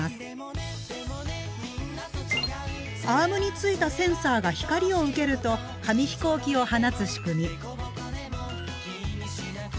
アームについたセンサーが光を受けると紙飛行機を放つ仕組み。